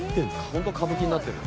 ホント歌舞伎になってる。